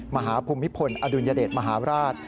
มหาภูมิพลอดุญเดชมหาราช